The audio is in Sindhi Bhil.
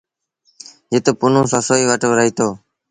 جت پنهون سسئيٚ وٽ رهيٚتو۔